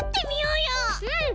うん！